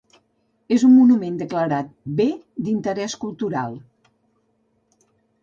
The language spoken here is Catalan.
És un monument declarat Bé d’interès cultural.